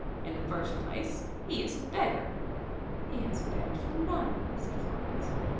In the first place, he is a beggar." "He has begged from none," said Florence.